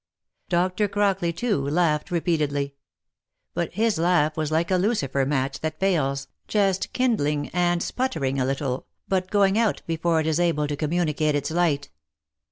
Dr. Crockley, too, laughed repeatedly ; but his laugh was like a Lucifer match that fails, just kindling and 6 THE LIFE AND ADVENTURES sputtering a little, but going out before it is able to communicate its light.